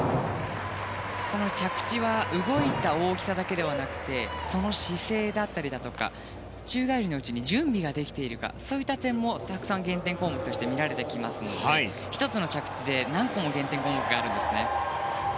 着地は動いた大きさだけではなくてその姿勢だったりだとか宙返りのうちに準備ができているかそういった点もたくさん減点項目として見られてきますので１つの着地で何個も減点項目があるんですね。